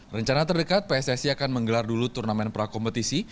rencana terdekat pssi akan menggelar dulu turnamen prakompetisi